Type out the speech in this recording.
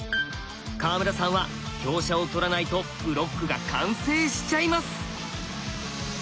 川村さんは香車を取らないとブロックが完成しちゃいます。